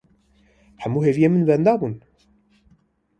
Hemû hêviyên min wenda bûn.